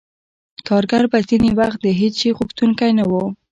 کارګر به ځینې وخت د هېڅ شي غوښتونکی نه وو